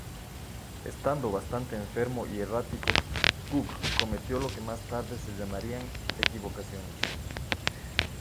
Estando bastante enfermo y errático, Cook cometió lo que más tarde se llamarían "equivocaciones".